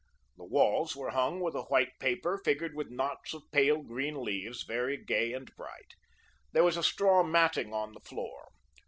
The walls were hung with a white paper figured with knots of pale green leaves, very gay and bright. There was a straw matting on the floor.